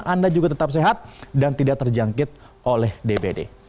anda juga tetap sehat dan tidak terjangkit oleh dpd